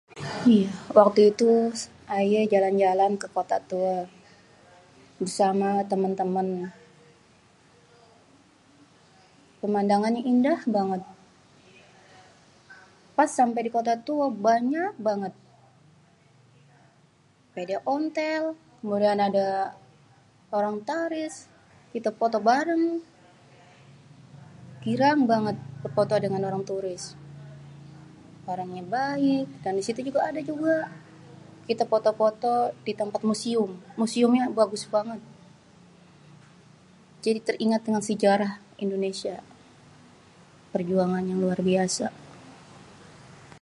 Waktu itu ayé jalan-jalan ke kota tue, bersama temen-temen, pemandangan nya indah banget, pas sampe ke kota tue banyak banget, sepede ontel kemudian ada orang turis kite foto bareng, girang banget foto dengan orang turis ,orang nya baik dan di situ ada juga, kite foto-foto di tempat musium-museum, musiumnya bagus banget, cerite inget dengan sejarah indonesia, perjuangan luar biasa.